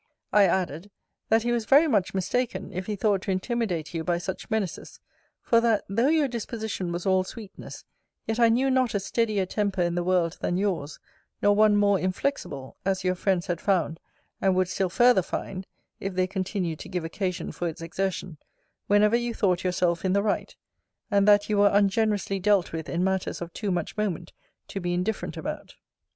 I added, That he was very much mistaken, if he thought to intimidate you by such menaces: for that, though your disposition was all sweetness, yet I knew not a steadier temper in the world than yours; nor one more inflexible, (as your friends had found, and would still further find, if they continued to give occasion for its exertion,) whenever you thought yourself in the right; and that you were ungenerously dealt with in matters of too much moment to be indifferent about.